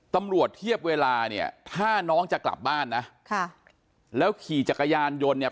ตำรวจเทียบเวลาเนี่ยถ้าน้องจะกลับบ้านนะค่ะแล้วขี่จักรยานยนต์เนี่ย